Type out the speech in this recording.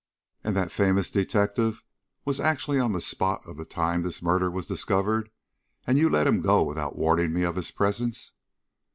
"And that famous detective was actually on the spot at the time this murder was discovered, and you let him go without warning me of his presence?"